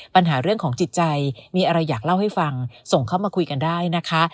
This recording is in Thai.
ปัญหาเรื่องของจิตใจมีอะไรอยากเล่าให้ฟังส่งเข้ามาคุยกันได้นะคะ